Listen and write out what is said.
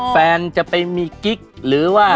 แฟนจะไปมีกิ๊กหรือว่า